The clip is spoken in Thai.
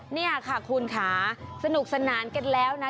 นี่ค่ะคุณค่ะสนุกสนานกันแล้วนะ